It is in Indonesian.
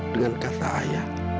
dengan kata ayah